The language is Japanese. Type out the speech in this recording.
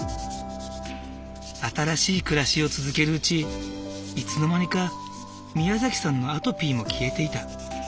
新しい暮らしを続けるうちいつの間にかみやざきさんのアトピーも消えていた。